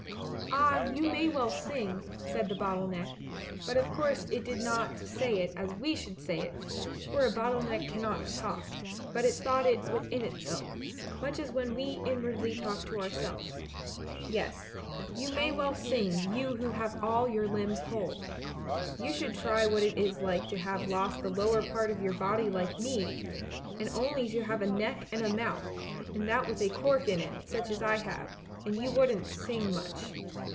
"Ah, you may well sing!" said the bottle neck; but of course it did not say it as we should say it, for a bottle neck cannot talk, but it thought it within itself, much as when we inwardly talk to ourselves. " Yes, you may well sing, you who have all your limbs whole. You should try what it is like to have lost the lower part of your body like me, and only to have a neck and a mouth, and that with a cork in it, such as I have, and you wouldn't sing much.